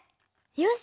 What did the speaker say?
よし！